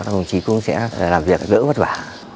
công trí cũng sẽ làm việc đỡ vất vả